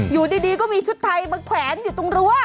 อยู่ดีก็มีชุดไทยมาแขวนอยู่ตรงรั้ว